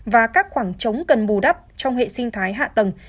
và các khoảng trống cần bù đắp trong hệ sinh thái hạ tầng